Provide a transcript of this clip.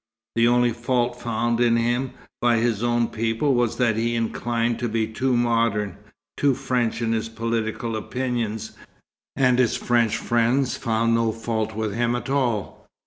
The only fault found in him by his own people was that he inclined to be too modern, too French in his political opinions; and his French friends found no fault with him at all.